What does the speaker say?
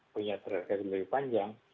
punya track record lebih panjang